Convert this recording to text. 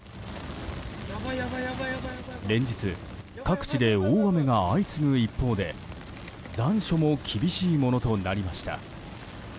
連日、各地で大雨が相次ぐ一方で残暑も厳しいものとなりました。